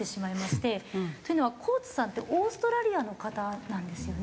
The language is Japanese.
というのはコーツさんってオーストラリアの方なんですよね。